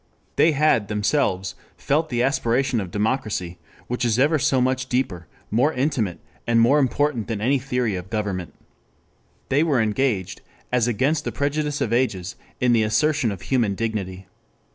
They had themselves felt the aspiration of democracy, which is ever so much deeper, more intimate and more important than any theory of government. They were engaged, as against the prejudice of ages, in the assertion of human dignity.